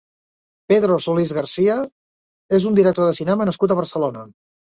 Pedro Solís García és un director de cinema nascut a Barcelona.